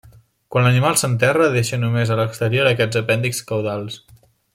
Quan l'animal s'enterra deixa només a l'exterior aquests apèndixs caudals.